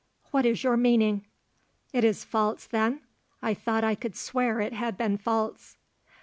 What is your meaning?" "It is false, then?—I thought I could swear it had been false."